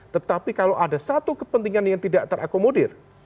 tetapi kalau ada satu kepentingan yang tidak terakomodir